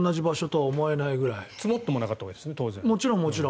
もちろん、もちろん。